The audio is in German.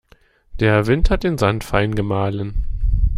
Der Wind hat den Sand fein gemahlen.